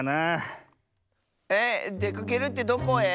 ええっ？でかけるってどこへ？